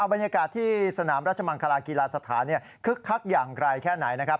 บรรยากาศที่สนามราชมังคลากีฬาสถานคึกคักอย่างไกลแค่ไหนนะครับ